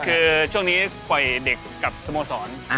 คือช่วงนี้ปล่อยเด็กกับสโมสร